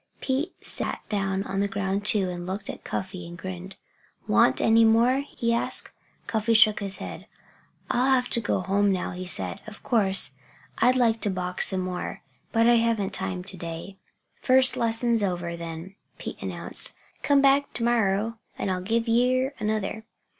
Pete sat down on the ground too and he looked at Cuffy and grinned. "Want any more?" he asked. Cuffy shook his head. "I'll have to go home now," he said. "Of course, I'd like to box some more; but I haven't time to day." "First lesson's over, then," Pete announced. "Come back termorrer and I'll give yer another."